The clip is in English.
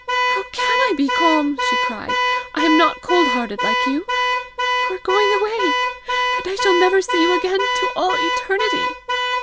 "How can I be calm!" she cried. "I am not cold hearted like you! You are going away, and I shall never see you again to all eternity!"